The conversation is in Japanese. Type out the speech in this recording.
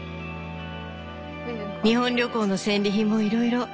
日本旅行の戦利品もいろいろ。